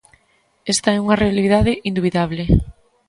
Esta é unha realidade indubidable.